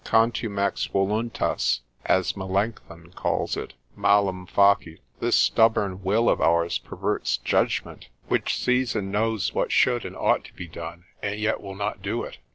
Contumax voluntas, as Melancthon calls it, malum facit: this stubborn will of ours perverts judgment, which sees and knows what should and ought to be done, and yet will not do it.